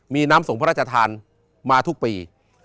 มีน้ำส่งพระราชทานมาทุกปี